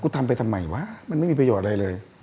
ทำไปทำไมวะมันไม่มีประโยชน์อะไรเลย